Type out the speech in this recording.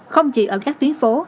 không chỉ ở các tuyến phố